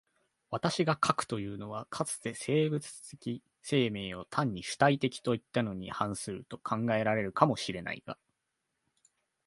私が斯くいうのは、かつて生物的生命を単に主体的といったのに反すると考えられるかも知れないが、